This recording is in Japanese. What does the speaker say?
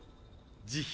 慈悲。